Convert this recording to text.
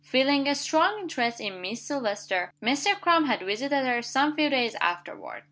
Feeling a strong interest in Miss Silvester, Mr. Crum had visited her some few days afterward.